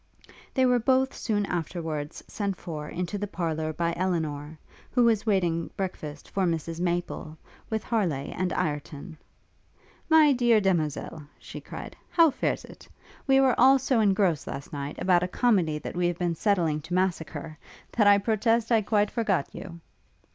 They were both soon afterwards sent for into the parlour by Elinor, who was waiting breakfast for Mrs. Maple, with Harleigh and Ireton. 'My dear demoiselle,' she cried, 'how fares it? We were all so engrossed last night, about a comedy that we have been settling to massacre, that I protest I quite forgot you.'